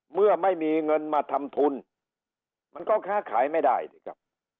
เมื่อไม่มีเงินมาทำทุนมันก็ค้าขายไม่ได้สิครับ